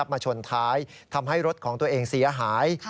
มาชนท้ายทำให้รถของตัวเองเสียหาย